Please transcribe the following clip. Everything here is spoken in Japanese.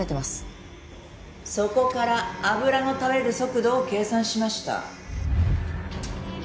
「そこから油の垂れる速度を計算しました」